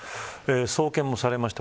送検もされました。